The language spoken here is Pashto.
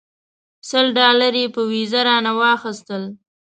سل ډالره یې په ویزه رانه واخیستل.